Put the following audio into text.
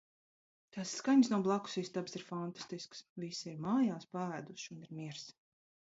Tās skaņas no blakus istabas ir fantastiskas. Visi ir mājās, paēduši un ir miers.